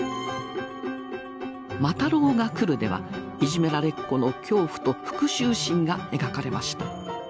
「魔太郎がくる！！」ではいじめられっ子の恐怖と復しゅう心が描かれました。